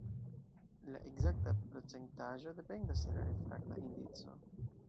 La ekzakta procentaĵo dependas de la refrakta indico.